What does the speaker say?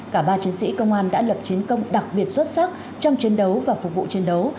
cả ba chiến sĩ công an đã lập chiến công đặc biệt xuất sắc trong chiến đấu và phục vụ chiến đấu